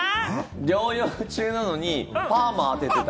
療養中なのにパーマあててた。